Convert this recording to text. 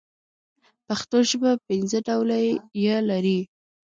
پښتو ژبه پنځه ډوله ي لري.